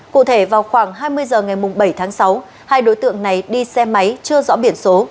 cụ thể vào khoảng hai mươi h ngày bảy tháng sáu hai đối tượng này đi xe máy chưa rõ biển số